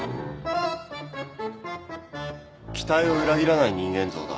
期待を裏切らない人間像だ。